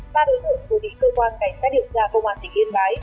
ba đối tượng vừa bị cơ quan cảnh sát điều tra công an tỉnh yên bái